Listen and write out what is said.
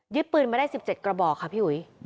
ปืนมาได้๑๗กระบอกค่ะพี่อุ๋ย